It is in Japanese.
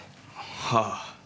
はあ。